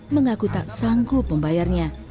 mengaku tak sanggup membayarnya